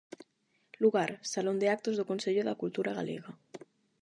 Lugar: salón de actos do Consello da Cultura Galega.